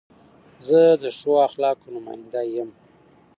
زه د ښو اخلاقو نماینده یم.